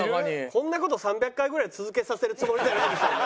こんな事３００回ぐらい続けさせるつもりじゃないでしょうね？